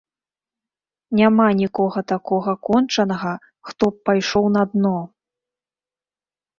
Няма нікога такога кончанага, хто б пайшоў на дно.